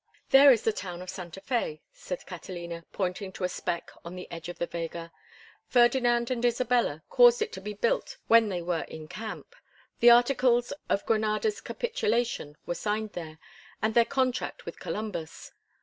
"There is the town of Santa Fé," said Catalina, pointing to a speck on the edge of the vega. "Ferdinand and Isabella caused it to be built when they were in camp. The articles of Granada's capitulation were signed there, and their contract with Columbus.